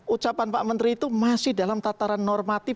ucapan pak menteri itu masih dalam tataran normatif